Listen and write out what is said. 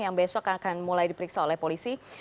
yang besok akan mulai diperiksa oleh polisi